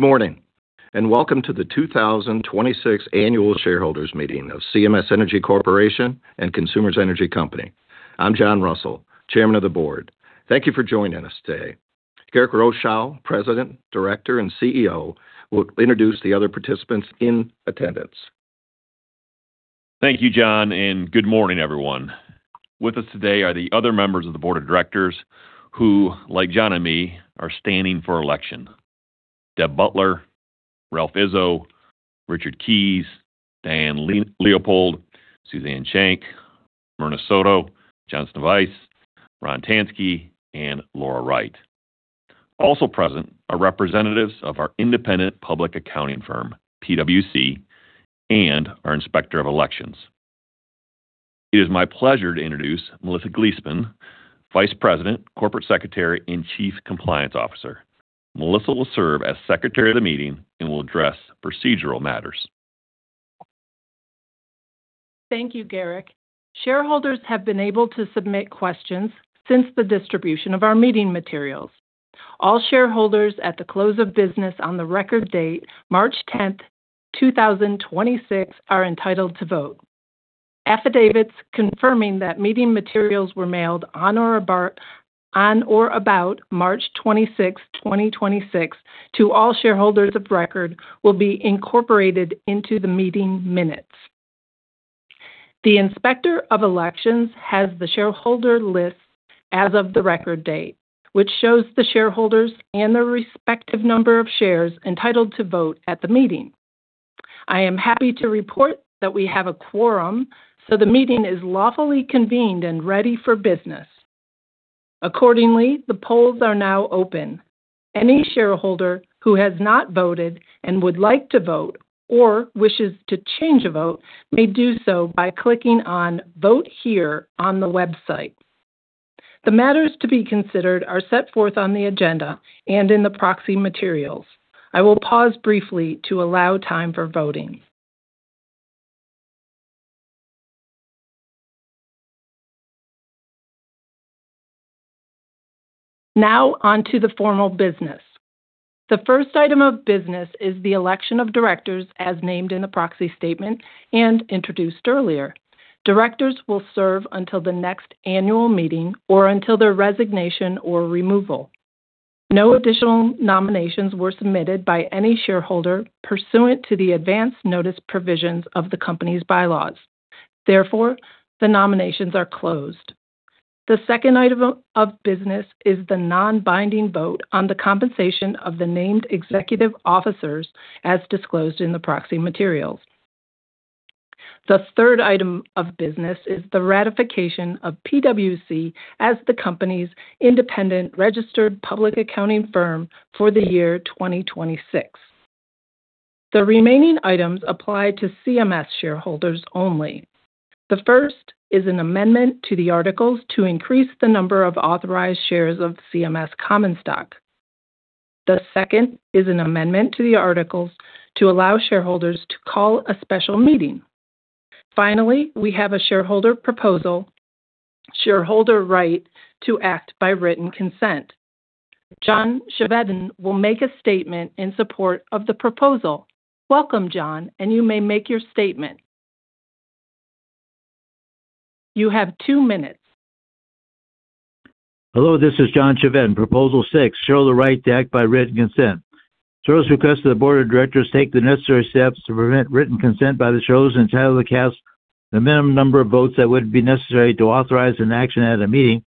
Morning, welcome to the 2026 annual shareholders meeting of CMS Energy Corporation and Consumers Energy Company. I'm John Russell, Chairman of the Board. Thank you for joining us today. Garrick Rochow, President, Director, and CEO, will introduce the other participants in attendance. Thank you, John, and good morning, everyone. With us today are the other members of the board of directors who, like John and me, are standing for election. Deb Butler, Ralph Izzo, Richard Keyes, Diane Leopold, Suzanne Shank, Myrna Soto, John Sznewajs, Ron Tanski, and Laura Wright. Also present are representatives of our independent public accounting firm, PwC, and our Inspector of Elections. It is my pleasure to introduce Melissa Gleespen, Vice President, Corporate Secretary, and Chief Compliance Officer. Melissa will serve as Secretary of the meeting and will address procedural matters. Thank you, Garrick. Shareholders have been able to submit questions since the distribution of our meeting materials. All shareholders at the close of business on the record date March 10th, 2026 are entitled to vote. Affidavits confirming that meeting materials were mailed on or about March 26th, 2026 to all shareholders of record will be incorporated into the meeting minutes. The Inspector of Elections has the shareholder list as of the record date, which shows the shareholders and their respective number of shares entitled to vote at the meeting. I am happy to report that we have a quorum, so the meeting is lawfully convened and ready for business. Accordingly, the polls are now open. Any shareholder who has not voted and would like to vote or wishes to change a vote may do so by clicking on Vote Here on the website. The matters to be considered are set forth on the agenda and in the proxy materials. I will pause briefly to allow time for voting. On to the formal business. The first item of business is the election of directors as named in the proxy statement and introduced earlier. Directors will serve until the next annual meeting or until their resignation or removal. No additional nominations were submitted by any shareholder pursuant to the advance notice provisions of the company's bylaws. The nominations are closed. The second item of business is the non-binding vote on the compensation of the named executive officers as disclosed in the proxy materials. The third item of business is the ratification of PwC as the company's independent registered public accounting firm for the year 2026. The remaining items apply to CMS shareholders only. The first is an amendment to the articles to increase the number of authorized shares of CMS common stock. The second is an amendment to the articles to allow shareholders to call a special meeting. Finally, we have a shareholder proposal, shareholder right to act by written consent. John Chevedden will make a statement in support of the proposal. Welcome, John. You may make your statement. You have two minutes. Hello, this is John Chevedden, Proposal 6, shareholder right to act by written consent. Shareholders request that the board of directors take the necessary steps to prevent written consent by the shareholders entitled to cast the minimum number of votes that would be necessary to authorize an action at a meeting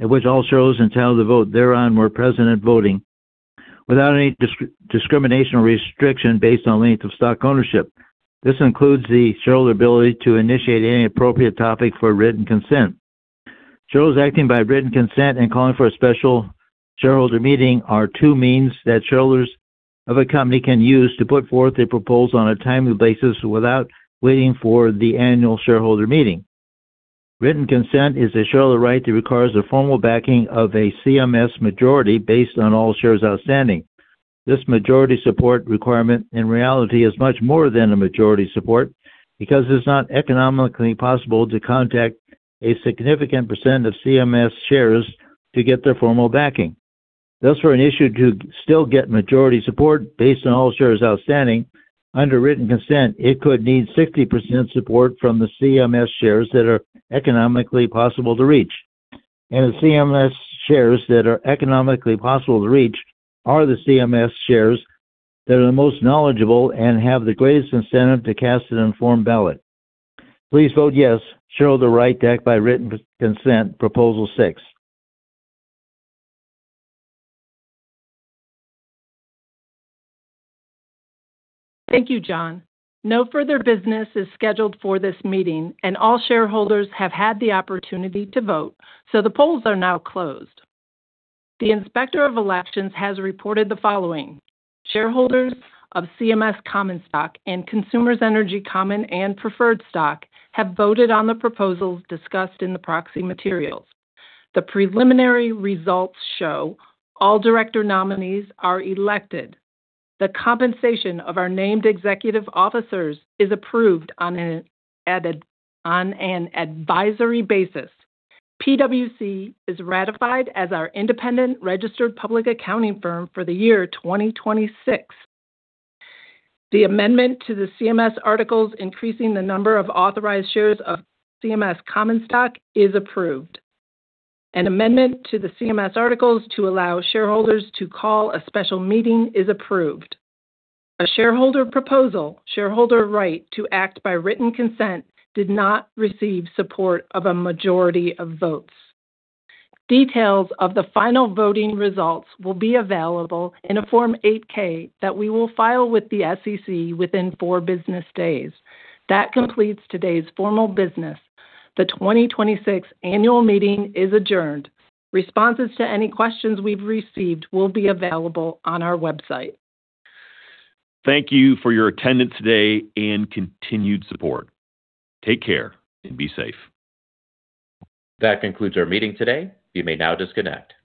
at which all shareholders entitled to vote thereon were present and voting without any discrimination or restriction based on length of stock ownership. This includes the shareholder ability to initiate any appropriate topic for written consent. Shareholders acting by written consent and calling for a special shareholder meeting are two means that shareholders of a company can use to put forth a proposal on a timely basis without waiting for the annual shareholder meeting. Written consent is a shareholder right that requires the formal backing of a CMS majority based on all shares outstanding. This majority support requirement in reality is much more than a majority support because it's not economically possible to contact a significant percent of CMS shares to get their formal backing. For an issue to still get majority support based on all shares outstanding under written consent, it could need 60% support from the CMS shares that are economically possible to reach. The CMS shares that are economically possible to reach are the CMS shares that are the most knowledgeable and have the greatest incentive to cast an informed ballot. Please vote yes. Shareholder right to act by written consent, Proposal 6. Thank you, John. No further business is scheduled for this meeting, and all shareholders have had the opportunity to vote, so the polls are now closed. The Inspector of Elections has reported the following. Shareholders of CMS common stock and Consumers Energy common and preferred stock have voted on the proposals discussed in the proxy materials. The preliminary results show all director nominees are elected. The compensation of our named executive officers is approved on an advisory basis. PwC is ratified as our independent registered public accounting firm for the year 2026. The amendment to the CMS articles increasing the number of authorized shares of CMS common stock is approved. An amendment to the CMS articles to allow shareholders to call a special meeting is approved. A shareholder proposal, shareholder right to act by written consent did not receive support of a majority of votes. Details of the final voting results will be available in a Form 8-K that we will file with the SEC within four business days. That completes today's formal business. The 2026 annual meeting is adjourned. Responses to any questions we've received will be available on our website. Thank you for your attendance today and continued support. Take care and be safe. That concludes our meeting today. You may now disconnect.